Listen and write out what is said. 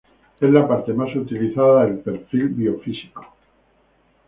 Es la parte más utilizada del perfil biofísico.